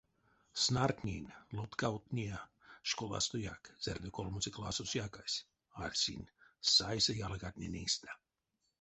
Снартнинь, лоткавтния школастояк, зярдо колмоце классос якась, арсинь, сайса ялгатнень эйстэ.